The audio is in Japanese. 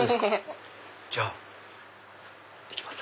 じゃあいきます